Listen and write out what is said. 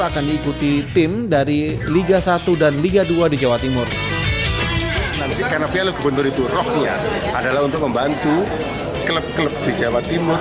ketua umum presiden sidoarjo ini terpilih sebagai ketua umum pssi jatim